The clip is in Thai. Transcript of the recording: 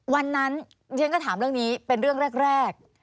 วันนั้นฉันก็ถามเรื่องนี้เป็นเรื่องแรก